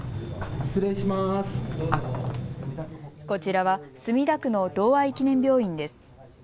こちらは墨田区の同愛記念病院です。